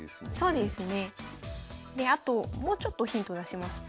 であともうちょっとヒントを出しますと。